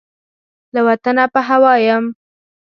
له وطنه په هوا یم